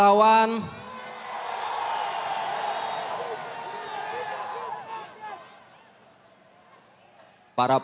orang yang dipermyat